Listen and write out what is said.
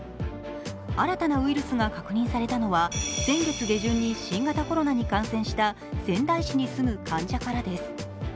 新たなウイルスが確認されたのは、先月下旬に新型コロナに感染した仙台市に住む患者からです。